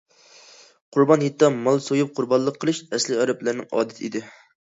قۇربان ھېيتتا مال سويۇپ، قۇربانلىق قىلىش ئەسلىي ئەرەبلەرنىڭ ئادىتى ئىدى.